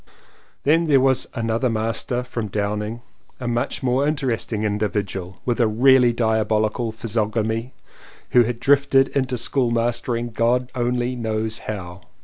Then there was another master from Downing — a much more interesting indi 202 LLEWELLYN POWYS vidual with a really diabolical physiognomy who had drifted into schoolmastering God only knows how.